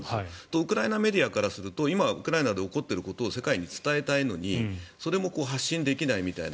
ウクライナメディアからすると今、ウクライナで起こっていることを世界に伝えたいのにそれも発信できないみたいな。